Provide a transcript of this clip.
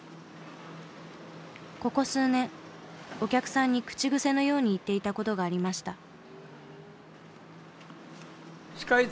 ここ数年お客さんに口癖のように言っていた事がありました。